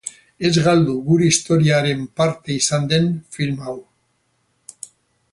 Ez galdu gure historiaren parte izan den film hau!